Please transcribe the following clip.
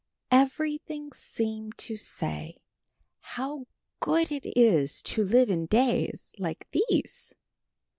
Everything seemed to say, "How good it is to live in days like these."